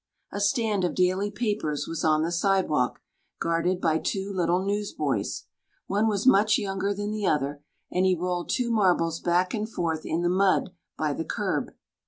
A stand of daily papers was on the sidewalk, guarded by two little newsboys. One was much younger than the other, and he rolled two marbles back and forth in the mud by the curb.